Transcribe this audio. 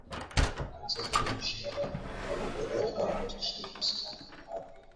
Wakati hakuna ushahidi wa kuaminika wa tishio la usalama ambalo